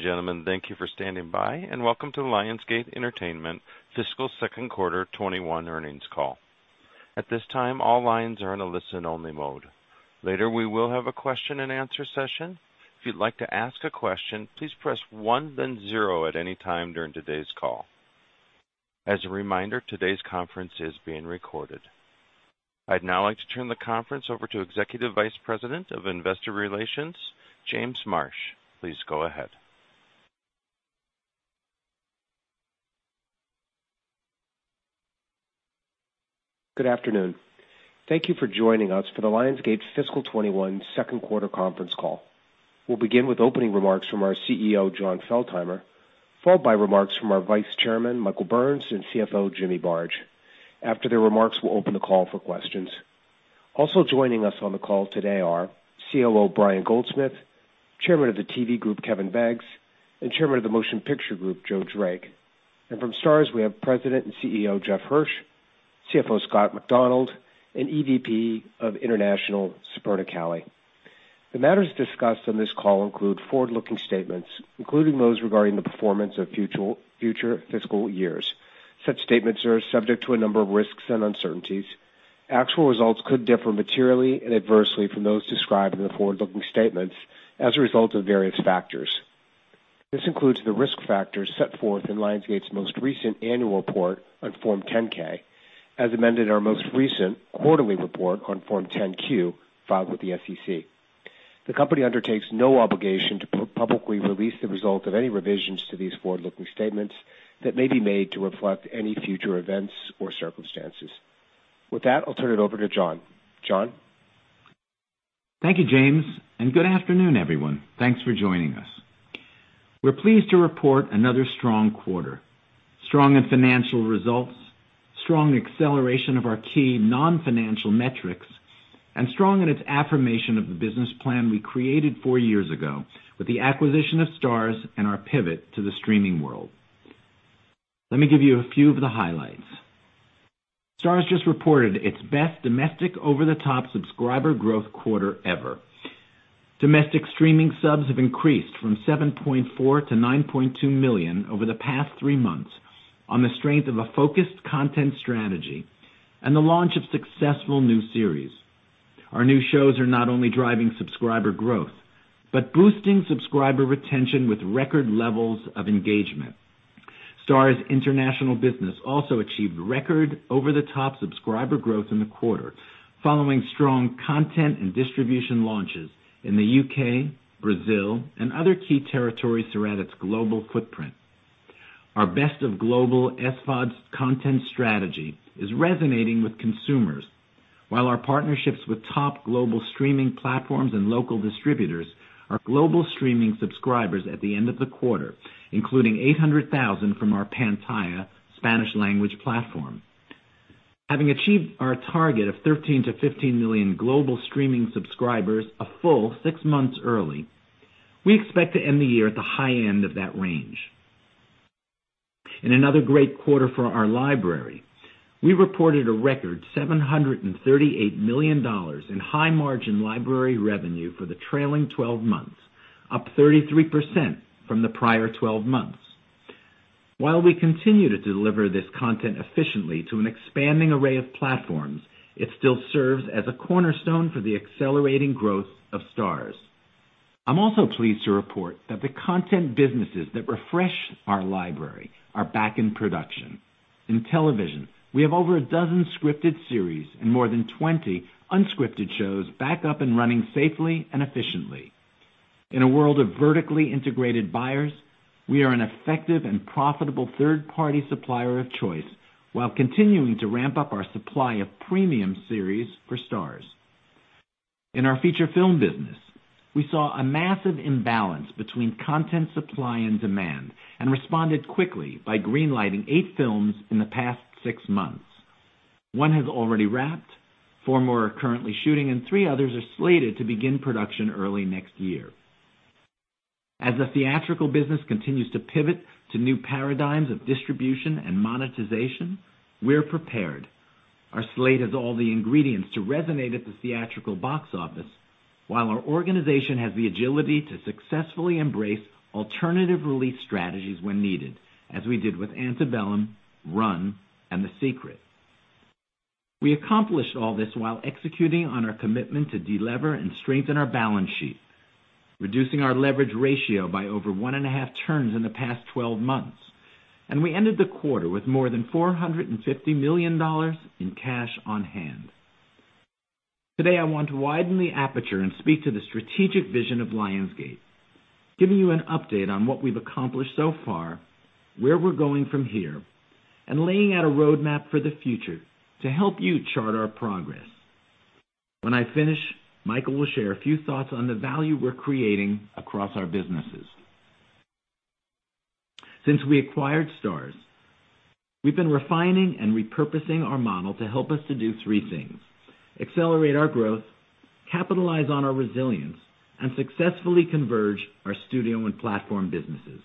Ladies and gentlemen, thank you for standing by. Welcome to the Lionsgate Entertainment fiscal Q2 2021 earnings call. At this time, all lines are in a listen-only mode. Later, we will have a question and answer session. If you'd like to ask a question, please press one then zero at any time during today's call. As a reminder, today's conference is being recorded. I'd now like to turn the conference over to Executive Vice President of Investor Relations, James Marsh. Please go ahead. Good afternoon. Thank you for joining us for the Lionsgate's fiscal 2021 Q2 conference call. We'll begin with opening remarks from our CEO, Jon Feltheimer, followed by remarks from our Vice Chairman, Michael Burns, and CFO, Jimmy Barge. After the remarks, we will open the call for questions. Joining us on the call today are COO Brian Goldsmith, Chairman of the TV Group, Kevin Beggs, and Chairman of the Motion Picture Group, Joe Drake. From Starz, we have President and CEO Jeff Hirsch, CFO Scott Macdonald, and EVP of International, Superna Kalle. The matters discussed on this call include forward-looking statements, including those regarding the performance of future fiscal years. Such statements are subject to a number of risks and uncertainties. Actual results could differ materially and adversely from those described in the forward-looking statements as a result of various factors. This includes the risk factors set forth in Lionsgate's most recent annual report on Form 10-K, as amended in our most recent quarterly report on Form 10-Q, filed with the SEC. The company undertakes no obligation to publicly release the result of any revisions to these forward-looking statements that may be made to reflect any future events or circumstances. With that, I'll turn it over to Jon. Jon? Thank you, James, and good afternoon, everyone. Thanks for joining us. We're pleased to report another strong quarter. Strong in financial results, strong in acceleration of our key non-financial metrics, and strong in its affirmation of the business plan we created four years ago with the acquisition of Starz and our pivot to the streaming world. Let me give you a few of the highlights. Starz just reported its best domestic over-the-top subscriber growth quarter ever. Domestic streaming subs have increased from 7.4 million-9.2 million over the past three months on the strength of a focused content strategy and the launch of successful new series. Our new shows are not only driving subscriber growth but boosting subscriber retention with record levels of engagement. Starz International Business also achieved record over-the-top subscriber growth in the quarter, following strong content and distribution launches in the U.K., Brazil, and other key territories throughout its global footprint. Our best of global SVODs content strategy is resonating with consumers, while our partnerships with top global streaming platforms and local distributors are global streaming subscribers at the end of the quarter, including 800,000 from our Pantaya Spanish-language platform. Having achieved our target of 13 million-15 million global streaming subscribers a full six months early, we expect to end the year at the high end of that range. In another great quarter for our library, we reported a record $738 million in high-margin library revenue for the trailing 12 months, up 33% from the prior 12 months. While we continue to deliver this content efficiently to an expanding array of platforms, it still serves as a cornerstone for the accelerating growth of Starz. I'm also pleased to report that the content businesses that refresh our library are back in production. In television, we have over 12 scripted series and more than 20 unscripted shows back up and running safely and efficiently. In a world of vertically integrated buyers, we are an effective and profitable third-party supplier of choice, while continuing to ramp up our supply of premium series for Starz. In our feature film business, we saw a massive imbalance between content supply and demand and responded quickly by green-lighting eight films in the past six months. One has already wrapped, four more are currently shooting, and three others are slated to begin production early next year. As the theatrical business continues to pivot to new paradigms of distribution and monetization, we're prepared. Our slate has all the ingredients to resonate at the theatrical box office, while our organization has the agility to successfully embrace alternative release strategies when needed, as we did with Antebellum, Run, and The Secret. We accomplished all this while executing on our commitment to de-lever and strengthen our balance sheet, reducing our leverage ratio by over one and a half turns in the past 12 months. We ended the quarter with more than $450 million in cash on hand. Today, I want to widen the aperture and speak to the strategic vision of Lionsgate, giving you an update on what we've accomplished so far, where we're going from here, and laying out a roadmap for the future to help you chart our progress. When I finish, Michael will share a few thoughts on the value we're creating across our businesses. Since we acquired Starz, we've been refining and repurposing our model to help us to do three things: accelerate our growth, capitalize on our resilience, and successfully converge our studio and platform businesses.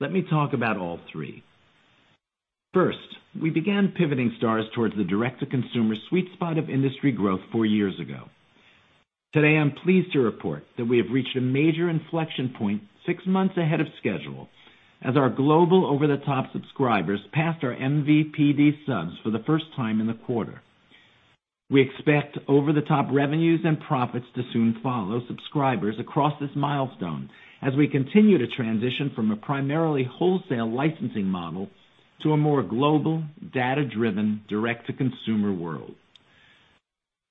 Let me talk about all three. First, we began pivoting Starz towards the direct-to-consumer sweet spot of industry growth four years ago. Today, I'm pleased to report that we have reached a major inflection point six months ahead of schedule, as our global over-the-top subscribers passed our MVPD subs for the first time in the quarter. We expect over-the-top revenues and profits to soon follow subscribers across this milestone as we continue to transition from a primarily wholesale licensing model to a more global, data-driven, direct-to-consumer world.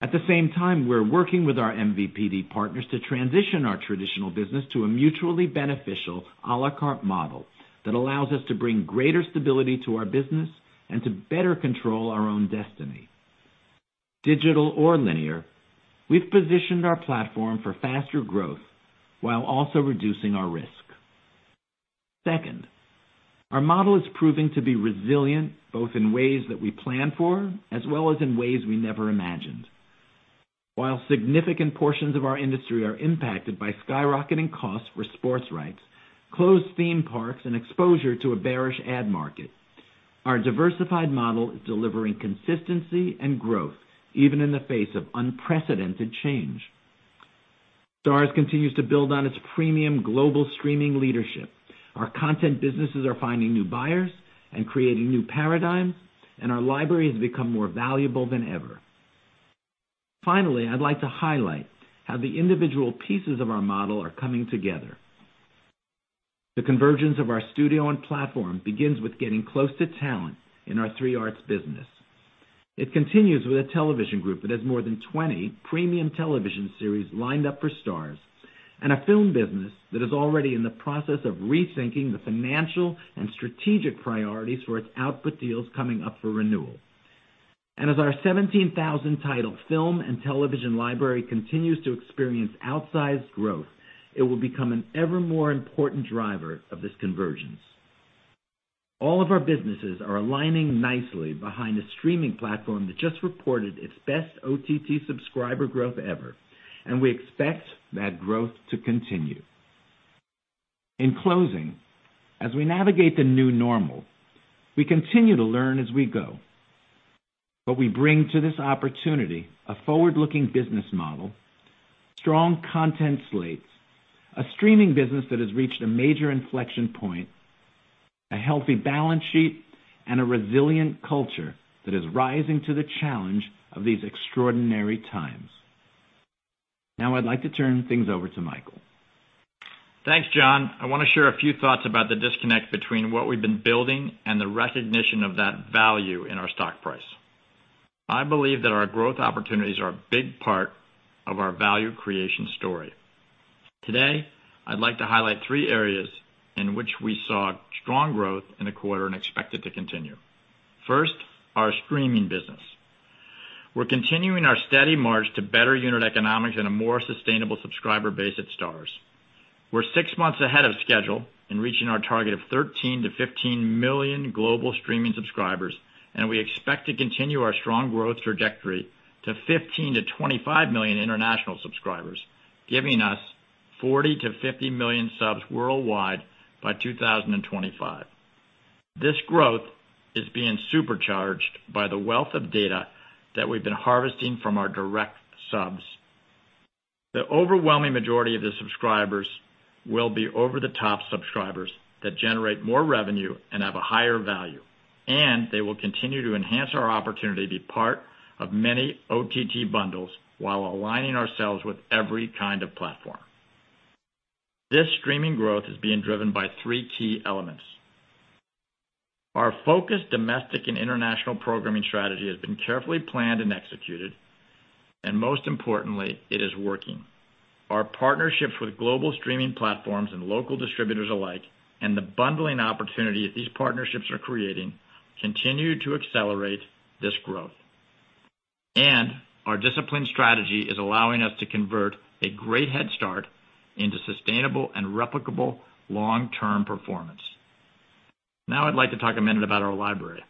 At the same time, we're working with our MVPD partners to transition our traditional business to a mutually beneficial a la carte model that allows us to bring greater stability to our business and to better control our own destiny. Digital or linear, we've positioned our platform for faster growth while also reducing our risk. Second, our model is proving to be resilient, both in ways that we planned for, as well as in ways we never imagined. While significant portions of our industry are impacted by skyrocketing costs for sports rights, closed theme parks, and exposure to a bearish ad market, our diversified model is delivering consistency and growth, even in the face of unprecedented change. Starz continues to build on its premium global streaming leadership. Our content businesses are finding new buyers and creating new paradigms, and our library has become more valuable than ever. Finally, I'd like to highlight how the individual pieces of our model are coming together. The convergence of our studio and platform begins with getting close to talent in our 3 Arts business. It continues with a television group that has more than 20 premium television series lined up for Starz, and a film business that is already in the process of rethinking the financial and strategic priorities for its output deals coming up for renewal. As our 17,000-title film and television library continues to experience outsized growth, it will become an ever more important driver of this convergence. All of our businesses are aligning nicely behind a streaming platform that just reported its best OTT subscriber growth ever, and we expect that growth to continue. In closing, as we navigate the new normal, we continue to learn as we go. We bring to this opportunity a forward-looking business model, strong content slates, a streaming business that has reached a major inflection point, a healthy balance sheet, and a resilient culture that is rising to the challenge of these extraordinary times. Now I'd like to turn things over to Michael. Thanks, Jon. I want to share a few thoughts about the disconnect between what we've been building and the recognition of that value in our stock price. I believe that our growth opportunities are a big part of our value creation story. Today, I'd like to highlight three areas in which we saw strong growth in the quarter and expect it to continue. First, our streaming business. We're continuing our steady march to better unit economics and a more sustainable subscriber base at Starz. We're six months ahead of schedule in reaching our target of 13 million-15 million global streaming subscribers, and we expect to continue our strong growth trajectory to 15 million-25 million international subscribers, giving us 40 million-50 million subs worldwide by 2025. This growth is being supercharged by the wealth of data that we've been harvesting from our direct subs. The overwhelming majority of the subscribers will be over-the-top subscribers that generate more revenue and have a higher value, and they will continue to enhance our opportunity to be part of many OTT bundles while aligning ourselves with every kind of platform. This streaming growth is being driven by three key elements. Our focused domestic and international programming strategy has been carefully planned and executed, and most importantly, it is working. Our partnerships with global streaming platforms and local distributors alike, and the bundling opportunity that these partnerships are creating, continue to accelerate this growth. Our disciplined strategy is allowing us to convert a great headstart into sustainable and replicable long-term performance. Now I'd like to talk a minute about our library.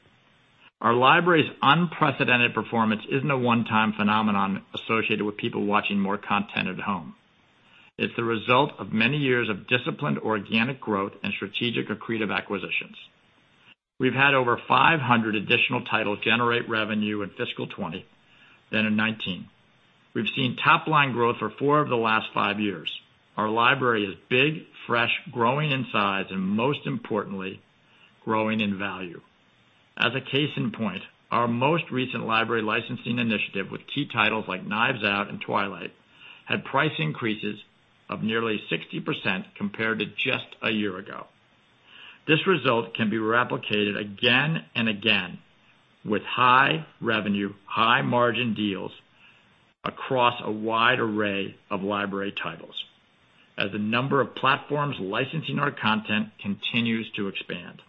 Our library's unprecedented performance isn't a one-time phenomenon associated with people watching more content at home. It's the result of many years of disciplined organic growth and strategic accretive acquisitions. We've had over 500 additional titles generate revenue in fiscal 2020 than in 2019. We've seen top-line growth for four of the last five years. Our library is big, fresh, growing in size, and most importantly, growing in value. As a case in point, our most recent library licensing initiative with key titles like Knives Out and Twilight had price increases of nearly 60% compared to just a year ago. This result can be replicated again and again with high-revenue, high-margin deals across a wide array of library titles as the number of platforms licensing our content continues to expand.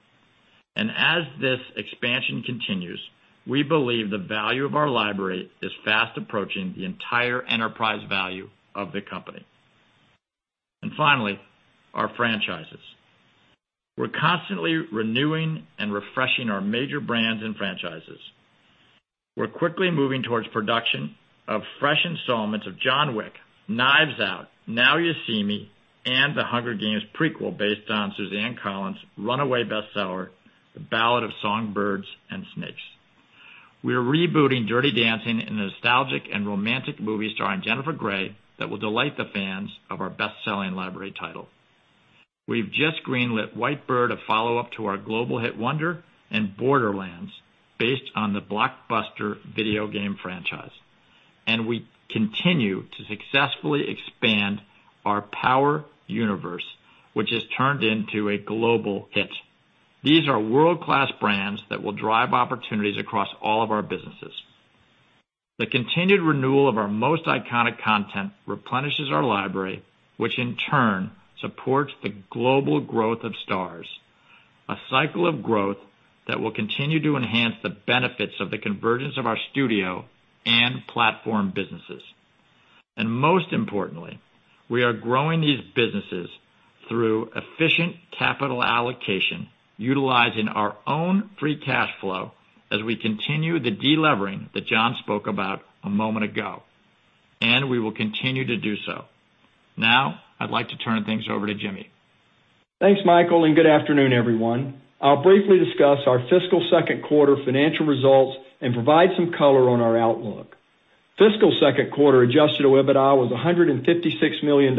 As this expansion continues, we believe the value of our library is fast approaching the entire enterprise value of the company. Finally, our franchises. We're constantly renewing and refreshing our major brands and franchises. We're quickly moving towards production of fresh installments of "John Wick," "Knives Out," "Now You See Me," and the "Hunger Games" prequel based on Suzanne Collins' runaway bestseller, "The Ballad of Songbirds and Snakes." We are rebooting "Dirty Dancing" in a nostalgic and romantic movie starring Jennifer Grey that will delight the fans of our best-selling library title. We've just green-lit "White Bird," a follow-up to our global hit, "Wonder," and "Borderlands" based on the blockbuster video game franchise. We continue to successfully expand our Power Universe, which has turned into a global hit. These are world-class brands that will drive opportunities across all of our businesses. The continued renewal of our most iconic content replenishes our library, which in turn supports the global growth of Starz, a cycle of growth that will continue to enhance the benefits of the convergence of our studio and platform businesses. Most importantly, we are growing these businesses through efficient capital allocation, utilizing our own free cash flow as we continue the de-levering that Jon spoke about a moment ago, and we will continue to do so. Now I'd like to turn things over to Jimmy. Thanks, Michael, and good afternoon, everyone. I'll briefly discuss our fiscal Q2 financial results and provide some color on our outlook. Fiscal Q2 adjusted OIBDA was $156 million,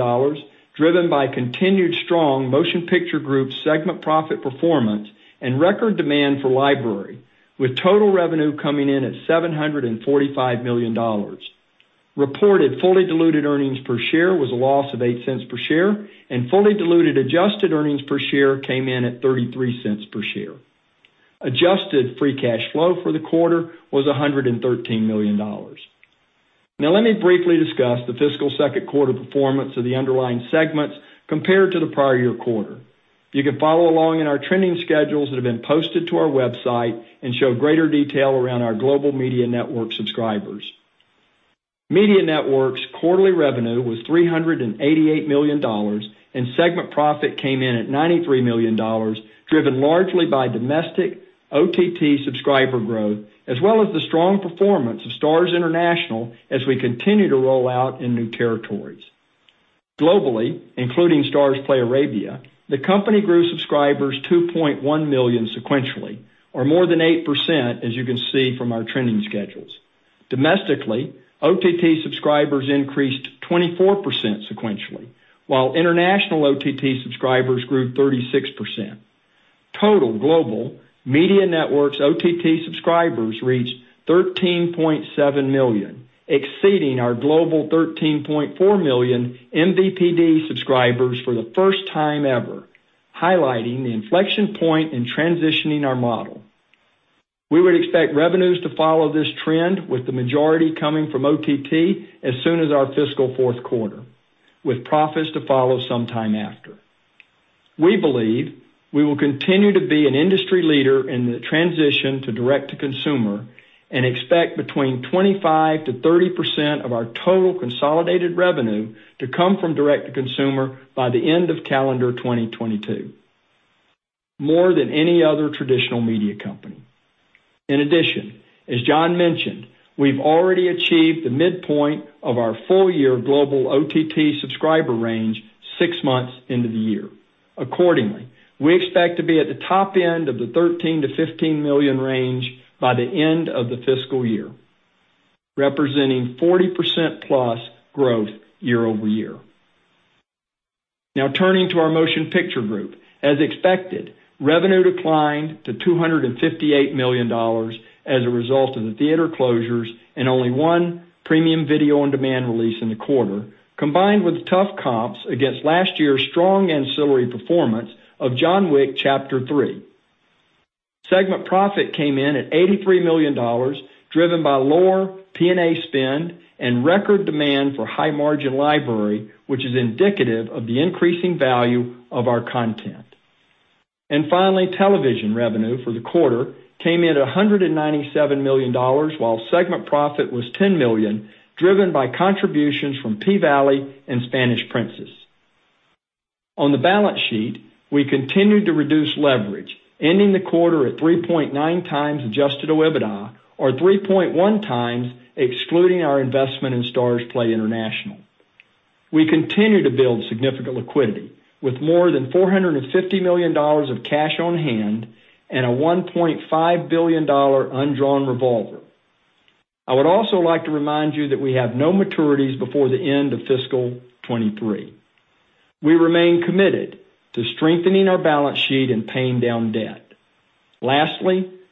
driven by continued strong Motion Picture Group segment profit performance and record demand for library, with total revenue coming in at $745 million. Reported fully diluted earnings per share was a loss of $0.08 per share, and fully diluted adjusted earnings per share came in at $0.33 per share. Adjusted free cash flow for the quarter was $113 million. Now let me briefly discuss the fiscal Q2 performance of the underlying segments compared to the prior year quarter. You can follow along in our trending schedules that have been posted to our website and show greater detail around our global Media Networks subscribers. Media Networks' quarterly revenue was $388 million, and segment profit came in at $93 million, driven largely by domestic OTT subscriber growth, as well as the strong performance of Starz International as we continue to roll out in new territories. Globally, including Starzplay Arabia, the company grew subscribers 2.1 million sequentially, or more than 8%, as you can see from our trending schedules. Domestically, OTT subscribers increased 24% sequentially, while international OTT subscribers grew 36%. Total global Media Networks OTT subscribers reached 13.7 million, exceeding our global 13.4 million MVPD subscribers for the first time ever, highlighting the inflection point in transitioning our model. We would expect revenues to follow this trend, with the majority coming from OTT as soon as our fiscal Q4, with profits to follow sometime after. We believe we will continue to be an industry leader in the transition to direct-to-consumer and expect between 25%-30% of our total consolidated revenue to come from direct-to-consumer by the end of calendar 2022, more than any other traditional media company. In addition, as Jon mentioned, we've already achieved the midpoint of our full-year global OTT subscriber range six months into the year. Accordingly, we expect to be at the top end of the 13 million-15 million range by the end of the fiscal year, representing 40%+ growth year-over-year. Turning to our Motion Picture Group. As expected, revenue declined to $258 million as a result of the theater closures and only one premium video on demand release in the quarter, combined with tough comps against last year's strong ancillary performance of "John Wick: Chapter Three." Segment profit came in at $83 million, driven by lower P&A spend and record demand for high-margin library, which is indicative of the increasing value of our content. Finally, television revenue for the quarter came in at $197 million, while segment profit was $10 million, driven by contributions from "P-Valley" and "Spanish Princess." On the balance sheet, we continued to reduce leverage, ending the quarter at 3.9x adjusted to OIBDA, or 3.1x excluding our investment in Starzplay International. We continue to build significant liquidity with more than $450 million of cash on hand and a $1.5 billion undrawn revolver. I would also like to remind you that we have no maturities before the end of fiscal 2023. We remain committed to strengthening our balance sheet and paying down debt.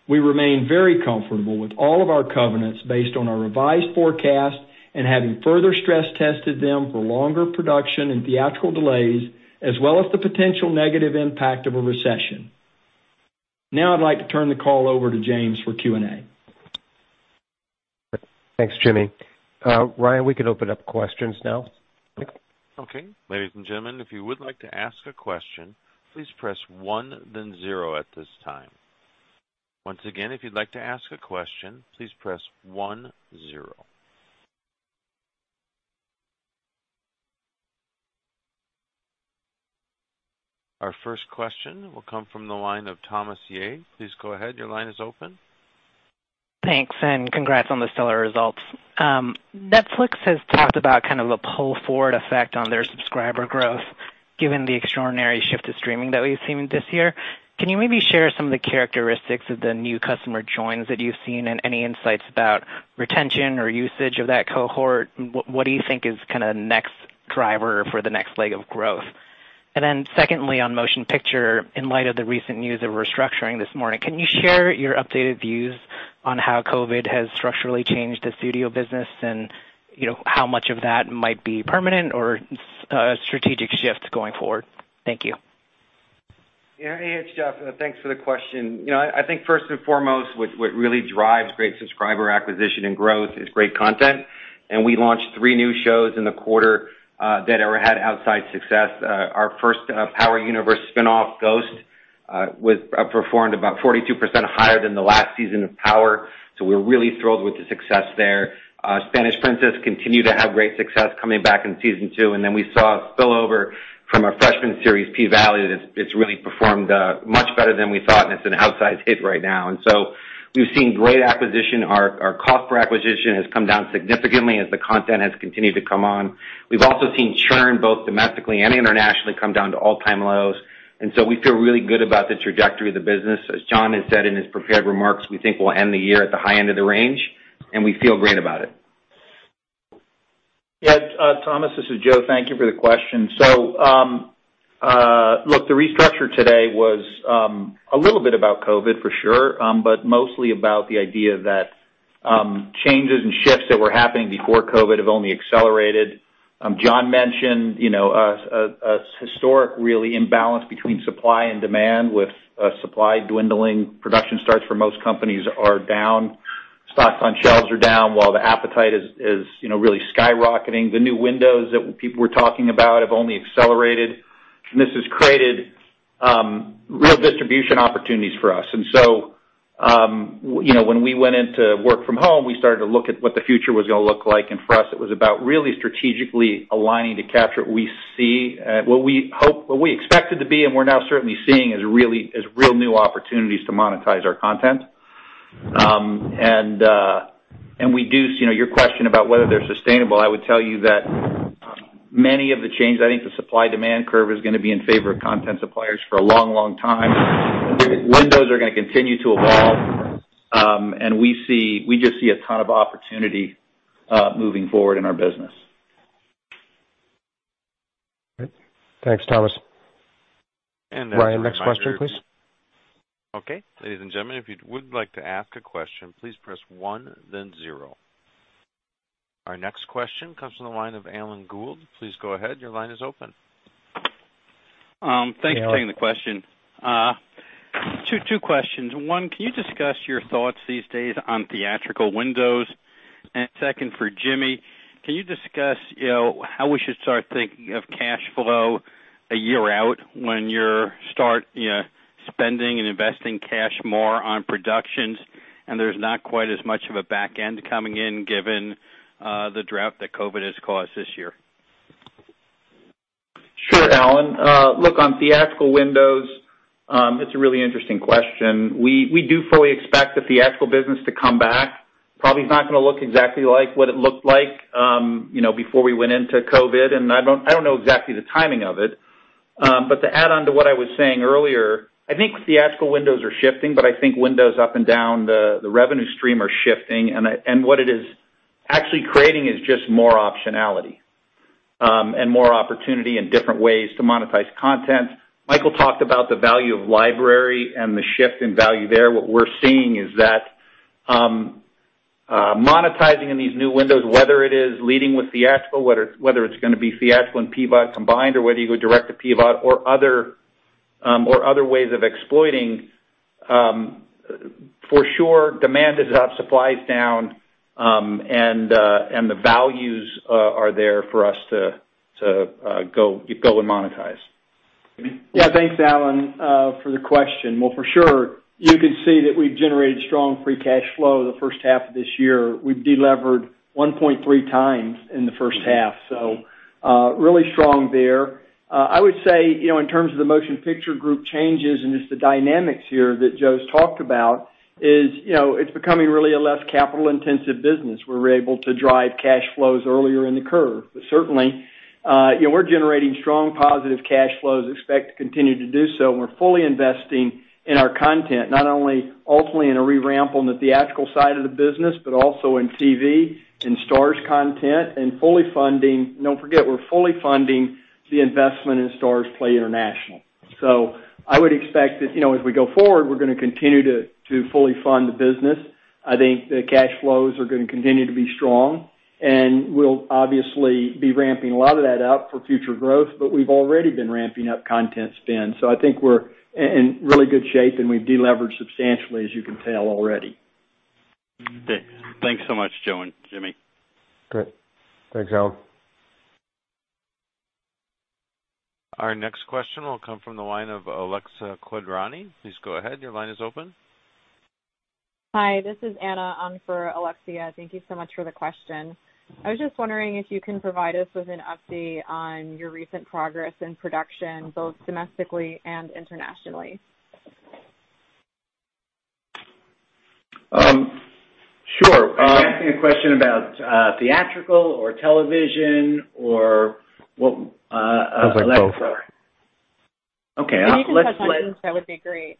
We remain very comfortable with all of our covenants based on our revised forecast and having further stress tested them for longer production and theatrical delays, as well as the potential negative impact of a recession. I'd like to turn the call over to James for Q&A. Thanks, Jimmy. Ryan, we can open up questions now. Okay. Ladies and gentlemen, if you would like to ask a question, please press one, then zero at this time. Once again, if you'd like to ask a question, please press one, zero. Our first question will come from the line of Thomas Yeh. Please go ahead. Your line is open. Thanks. Congrats on the stellar results. Netflix has talked about a pull-forward effect on their subscriber growth, given the extraordinary shift to streaming that we've seen this year. Can you maybe share some of the characteristics of the new customer joins that you've seen, and any insights about retention or usage of that cohort? What do you think is the next driver for the next leg of growth? Then secondly, on Motion Picture, in light of the recent news of restructuring this morning, can you share your updated views on how COVID has structurally changed the studio business and how much of that might be permanent or a strategic shift going forward? Thank you. Yeah. Hey, it's Jeff. Thanks for the question. I think first and foremost, what really drives great subscriber acquisition and growth is great content. We launched three new shows in the quarter that had outside success. Our first Power Universe spinoff, "Ghost," performed about 42% higher than the last season of Power. We're really thrilled with the success there. Spanish Princess continued to have great success coming back in season two. We saw a spillover from our freshman series, P-Valley, that's really performed much better than we thought, and it's an outside hit right now. We've seen great acquisition. Our cost per acquisition has come down significantly as the content has continued to come on. We've also seen churn, both domestically and internationally, come down to all-time lows. We feel really good about the trajectory of the business. As Jon has said in his prepared remarks, we think we'll end the year at the high end of the range, and we feel great about it. Yeah. Thomas, this is Joe. Thank you for the question. Look, the restructure today was a little bit about COVID, for sure, but mostly about the idea that changes and shifts that were happening before COVID have only accelerated. Jon mentioned a historic, really, imbalance between supply and demand with supply dwindling. Production starts for most companies are down. Stocks on shelves are down while the appetite is really skyrocketing. The new windows that people were talking about have only accelerated, and this has created real distribution opportunities for us. When we went into work from home, we started to look at what the future was going to look like. For us, it was about really strategically aligning to capture what we expect it to be and we're now certainly seeing as real new opportunities to monetize our content. Your question about whether they're sustainable, I would tell you that many of the changes, I think the supply-demand curve is going to be in favor of content suppliers for a long time. Windows are going to continue to evolve. We just see a ton of opportunity moving forward in our business. Great. Thanks, Thomas. Ryan, next question, please. Okay. Ladies and gentlemen, if you would like to ask a question, please press one then zero. Our next question comes from the line of Alan Gould. Please go ahead. Your line is open. Thanks for taking the question. Two questions. One, can you discuss your thoughts these days on theatrical windows? Second, for Jimmy, can you discuss how we should start thinking of cash flow a year out when you start spending and investing cash more on productions and there's not quite as much of a back end coming in given the drought that COVID has caused this year? Sure, Alan. Look, on theatrical windows, it's a really interesting question. We do fully expect the theatrical business to come back. Probably it's not going to look exactly like what it looked like before we went into COVID. I don't know exactly the timing of it. To add on to what I was saying earlier, I think theatrical windows are shifting, but I think windows up and down the revenue stream are shifting. What it is actually creating is just more optionality and more opportunity and different ways to monetize content. Michael talked about the value of library and the shift in value there. What we're seeing is that monetizing in these new windows, whether it is leading with theatrical, whether it's going to be theatrical and PVOD combined, or whether you go direct to PVOD or other ways of exploiting. For sure, demand is up, supply is down, and the values are there for us to go and monetize. Thanks, Alan, for the question. Well, for sure, you can see that we've generated strong free cash flow the H1 of this year. We've delevered 1.3x in the H1, really strong there. I would say, in terms of the Motion Picture Group changes and just the dynamics here that Joe's talked about is, it's becoming really a less capital-intensive business, where we're able to drive cash flows earlier in the curve. Certainly, we're generating strong positive cash flows, expect to continue to do so. We're fully investing in our content, not only ultimately in a re-ramp on the theatrical side of the business, but also in TV, in Starz content, and don't forget, we're fully funding the investment in Starzplay International. I would expect that as we go forward, we're going to continue to fully fund the business. I think the cash flows are going to continue to be strong, and we'll obviously be ramping a lot of that up for future growth. We've already been ramping up content spend. I think we're in really good shape, and we've delevered substantially, as you can tell already. Thanks so much, Joe and Jimmy. Great. Thanks, Alan. Our next question will come from the line of Alexia Quadrani. Please go ahead. Your line is open. Hi, this is Anna on for Alexia. Thank you so much for the question. I was just wondering if you can provide us with an update on your recent progress in production, both domestically and internationally. Sure. Are you asking a question about theatrical or television or what? Those are both. If you can touch on things, that would be great.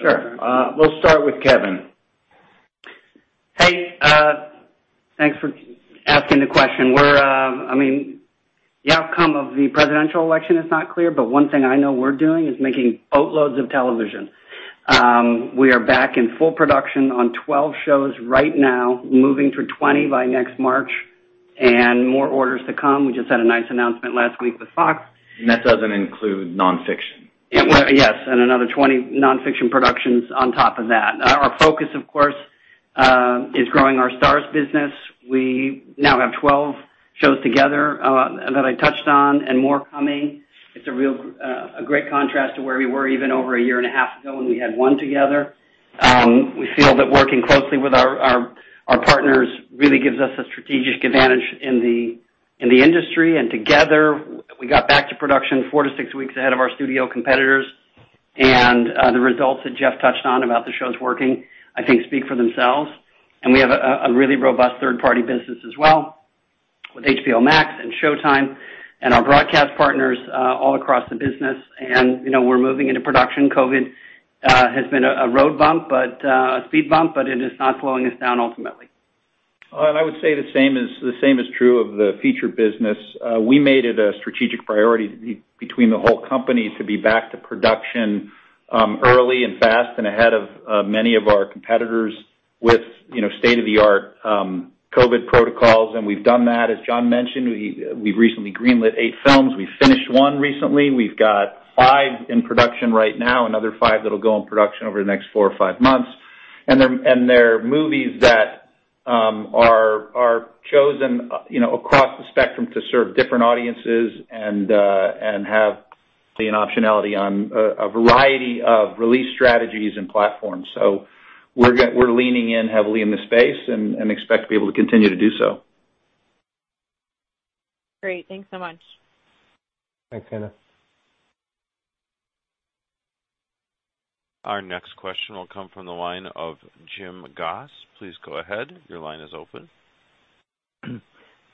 Sure. We'll start with Kevin. Hey, thanks for asking the question. The outcome of the presidential election is not clear, but one thing I know we're doing is making boatloads of television. We are back in full production on 12 shows right now, moving to 20 by next March, and more orders to come. We just had a nice announcement last week with Fox. That doesn't include non-fiction. Well, yes. Another 20 non-fiction productions on top of that. Our focus, of course, is growing our Starz business. We now have 12 shows together, that I touched on, and more coming. It's a great contrast to where we were even over a year and a half ago when we had one together. We feel that working closely with our partners really gives us a strategic advantage in the industry. Together, we got back to production four to six weeks ahead of our studio competitors, and the results that Jeff touched on about the shows working, I think, speak for themselves. We have a really robust third-party business as well with HBO Max and Showtime and our broadcast partners all across the business. We're moving into production. COVID has been a road bump, a speed bump, but it is not slowing us down ultimately. I would say the same is true of the feature business. We made it a strategic priority between the whole company to be back to production early and fast and ahead of many of our competitors with state-of-the-art COVID protocols. We've done that. As Jon mentioned, we've recently green-lit eight films. We finished one recently. We've got five in production right now, another five that'll go in production over the next four or five months. They're movies that are chosen across the spectrum to serve different audiences and have the optionality on a variety of release strategies and platforms. We're leaning in heavily in the space and expect to be able to continue to do so. Great. Thanks so much. Thanks, Anna. Our next question will come from the line of Jim Goss. Please go ahead. Your line is open.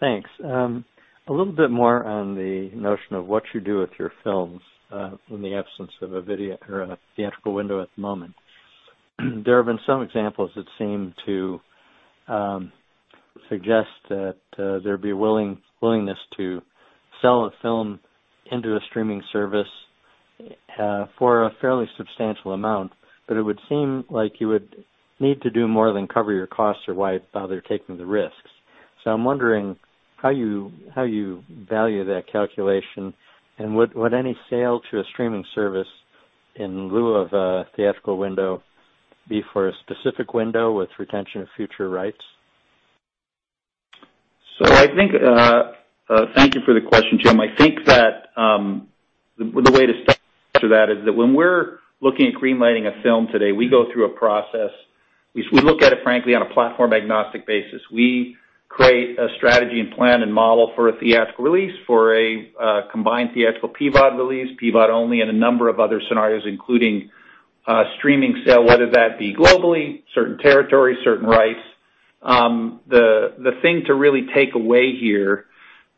Thanks. A little bit more on the notion of what you do with your films in the absence of a theatrical window at the moment. There have been some examples that seem to suggest that there'd be willingness to sell a film into a streaming service for a fairly substantial amount, but it would seem like you would need to do more than cover your costs or why bother taking the risks. I'm wondering how you value that calculation, and would any sale to a streaming service in lieu of a theatrical window be for a specific window with retention of future rights? Thank you for the question, Jim. I think that the way to start to that is that when we're looking at green-lighting a film today, we go through a process. We look at it, frankly, on a platform-agnostic basis. We create a strategy and plan and model for a theatrical release, for a combined theatrical PVOD release, PVOD only, and a number of other scenarios, including streaming sale, whether that be globally, certain territories, certain rights. The thing to really take away here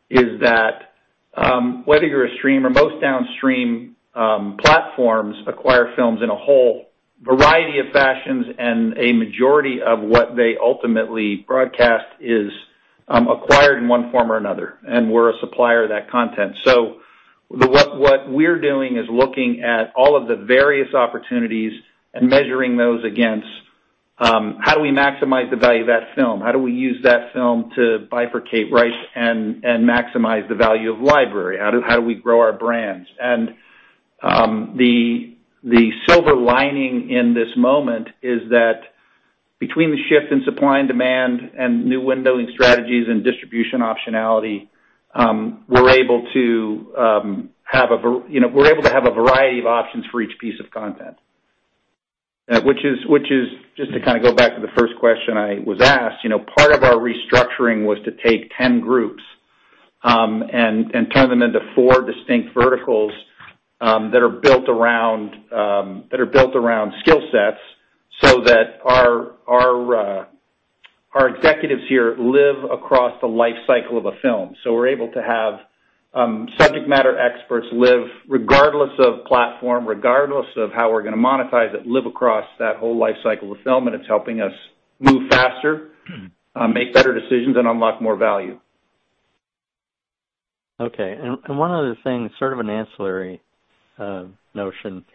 is that whether you're a stream or most downstream platforms acquire films in a whole variety of fashions, and a majority of what they ultimately broadcast is acquired in one form or another, and we're a supplier of that content. What we're doing is looking at all of the various opportunities and measuring those against how do we maximize the value of that film? How do we use that film to bifurcate rights and maximize the value of library? How do we grow our brands? The silver lining in this moment is that between the shift in supply and demand and new windowing strategies and distribution optionality, we're able to have a variety of options for each piece of content. Which is, just to kind of go back to the first question I was asked, part of our restructuring was to take 10 groups and turn them into four distinct verticals that are built around skill sets, so that our executives here live across the life cycle of a film. We're able to have subject matter experts live regardless of platform, regardless of how we're going to monetize it, live across that whole life cycle of film, and it's helping us move faster, make better decisions, and unlock more value. Okay. One other thing, sort of an ancillary notion.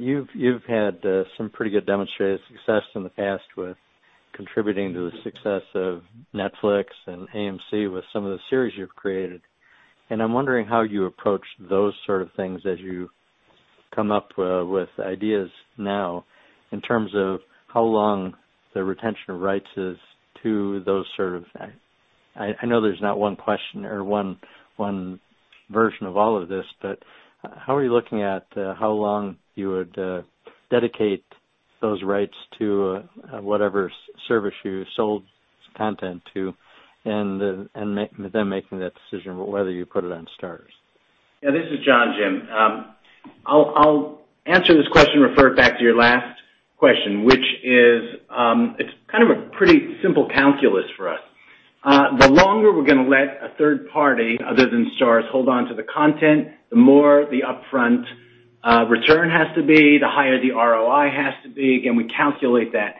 You've had some pretty good demonstrated success in the past with contributing to the success of Netflix and AMC with some of the series you've created. I'm wondering how you approach those sort of things as you come up with ideas now in terms of how long the retention of rights is to those, I know there's not one question or one version of all of this, but how are you looking at how long you would dedicate those rights to whatever service you sold content to and then making that decision whether you put it on Starz? This is Jon, Jim. I'll answer this question, refer it back to your last question, which is, it's kind of a pretty simple calculus for us. The longer we're going to let a third party other than Starz hold on to the content, the more the upfront return has to be, the higher the ROI has to be. Again, we calculate that.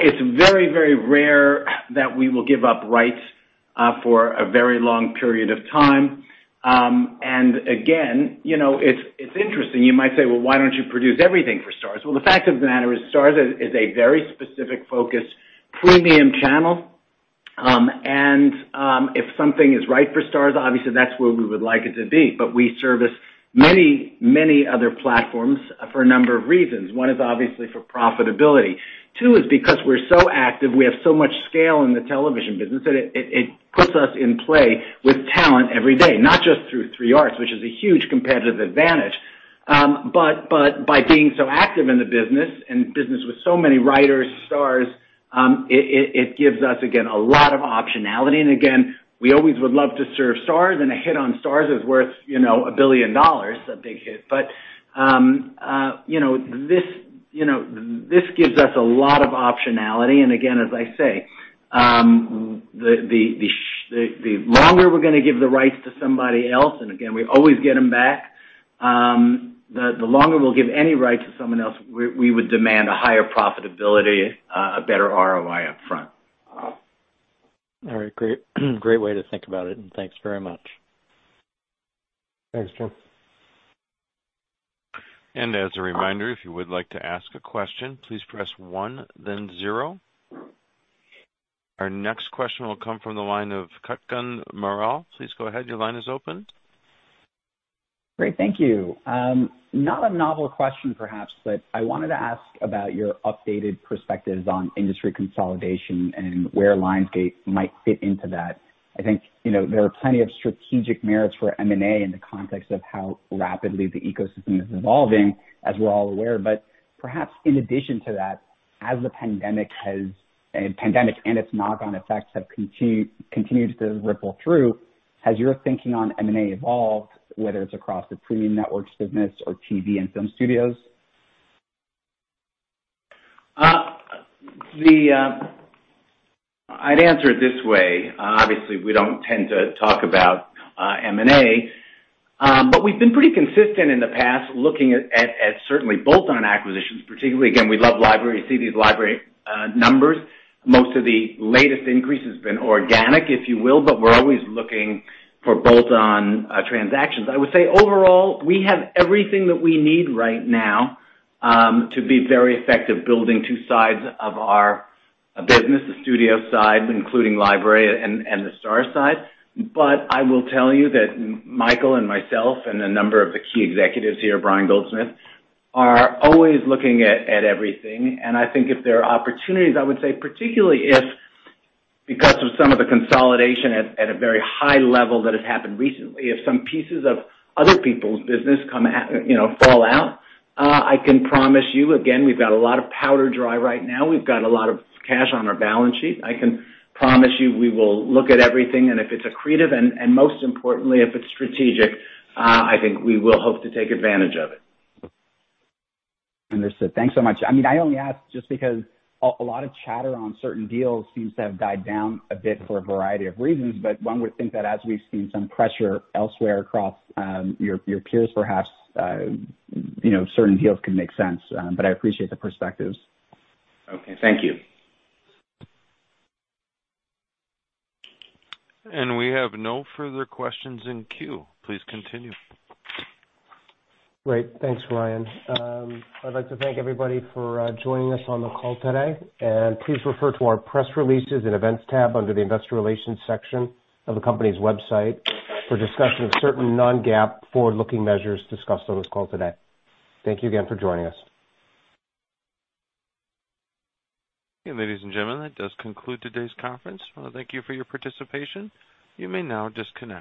It's very rare that we will give up rights for a very long period of time. Again, it's interesting, you might say, "Well, why don't you produce everything for Starz?" Well, the fact of the matter is Starz is a very specific focus premium channel. If something is right for Starz, obviously that's where we would like it to be. We service many other platforms for a number of reasons. One is obviously for profitability. Two is because we're so active, we have so much scale in the television business that it puts us in play with talent every day, not just through 3 Arts, which is a huge competitive advantage. By being so active in the business and business with so many writers, Starz, it gives us, again, a lot of optionality. Again, we always would love to serve Starz, and a hit on Starz is worth $1 billion, a big hit. This gives us a lot of optionality. Again, as I say, the longer we're going to give the rights to somebody else, and again, we always get them back, the longer we'll give any right to someone else, we would demand a higher profitability, a better ROI up front. All right, great way to think about it. Thanks very much. Thanks, Jim. As a reminder, if you would like to ask a question, please press one then zero. Our next question will come from the line of Kutgun Maral. Please go ahead. Your line is open. Great. Thank you. Not a novel question perhaps, but I wanted to ask about your updated perspectives on industry consolidation and where Lionsgate might fit into that. I think there are plenty of strategic merits for M&A in the context of how rapidly the ecosystem is evolving, as we're all aware. Perhaps in addition to that, as the pandemic and its knock-on effects have continued to ripple through, has your thinking on M&A evolved, whether it's across the premium network business or TV and film studios? I'd answer it this way. Obviously, we don't tend to talk about M&A. We've been pretty consistent in the past looking at certainly bolt-on acquisitions, particularly, again, we love libraries. You see these library numbers. Most of the latest increase has been organic, if you will, but we're always looking for bolt-on transactions. I would say overall, we have everything that we need right now to be very effective building two sides of our business, the studio side, including library and the Starz side. I will tell you that Michael and myself and a number of the key executives here, Brian Goldsmith, are always looking at everything. I think if there are opportunities, I would say particularly if because of some of the consolidation at a very high level that has happened recently, if some pieces of other people's business fall out, I can promise you, again, we've got a lot of powder dry right now. We've got a lot of cash on our balance sheet. I can promise you, we will look at everything, and if it's accretive and most importantly if it's strategic, I think we will hope to take advantage of it. Understood. Thanks so much. I only ask just because a lot of chatter on certain deals seems to have died down a bit for a variety of reasons, but one would think that as we've seen some pressure elsewhere across your peers perhaps, certain deals can make sense. I appreciate the perspectives. Okay. Thank you. We have no further questions in queue. Please continue. Great. Thanks, Ryan. I'd like to thank everybody for joining us on the call today, and please refer to our press releases and events tab under the investor relations section of the company's website for a discussion of certain non-GAAP forward-looking measures discussed on this call today. Thank you again for joining us. Ladies and gentlemen, that does conclude today's conference. Thank you for your participation. You may now disconnect.